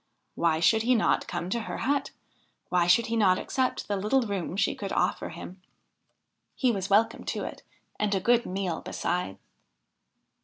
Why should he not come to her hut ? Why should he not accept the little room she could offer him ? He was welcome to it and a good meal besides.